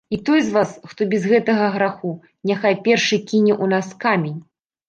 І той з вас, хто без гэтага граху, няхай першы кіне ў нас камень.